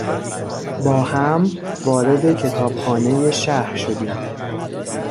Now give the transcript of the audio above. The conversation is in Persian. با هم وارد کتابخانهی شهر شدیم.